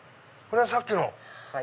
これがさっきの。